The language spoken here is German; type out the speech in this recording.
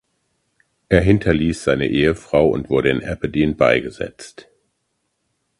Er hinterließ seine Ehefrau und wurde in Aberdeen beigesetzt.